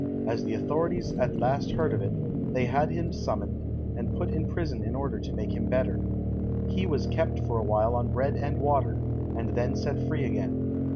As the authorities at last heard of it, they had him summoned, and put in prison in order to make him better. He was kept for a while on bread and water, and then set free again.